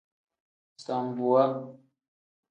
Sambuwa.